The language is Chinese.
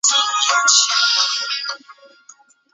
黄果树爬岩鳅为平鳍鳅科爬岩鳅属的鱼类。